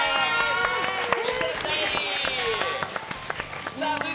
いってらっしゃい！